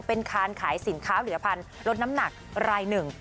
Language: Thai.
เป็นคานขายสินค้าผลิตภัณฑ์ลดน้ำหนักรายหนึ่ง